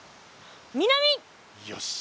よし！